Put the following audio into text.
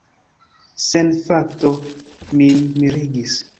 Sed fakto min mirigis.